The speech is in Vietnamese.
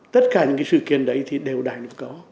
tất cả những sự kiện đấy thì đều đài được có